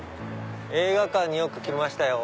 映画館によく来ましたよ